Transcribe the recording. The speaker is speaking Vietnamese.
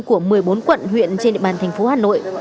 của một mươi bốn quận huyện trên địa bàn thành phố hà nội